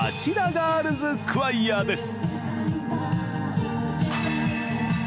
ガールズ・クワイアです